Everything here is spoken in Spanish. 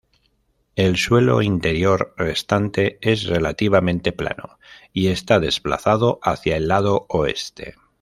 El suelo interior restante es relativamente plano, y está desplazado hacia el lado oeste.